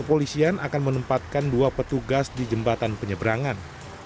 kepolisian akan menempatkan dua petugas di jembatan penyeberangan